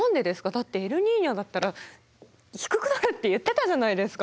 だってエルニーニョだったら低くなるって言ってたじゃないですか。